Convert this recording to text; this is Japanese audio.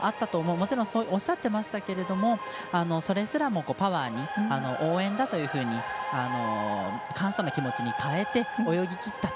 もちろんおっしゃってましたけどそれすらもパワーに応援だというふうに感謝の気持ちに変えて泳ぎきったと。